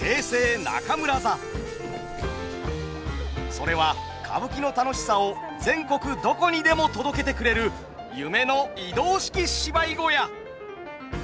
それは歌舞伎の楽しさを全国どこにでも届けてくれる夢の移動式芝居小屋。